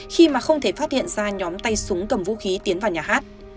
khi mà không thể phát hiện ra nhóm tay súng cầm vũ khí tiến vào nhà hát